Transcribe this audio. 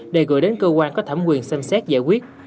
để gửi đến cơ quan có thẩm quyền xem xét giải quyết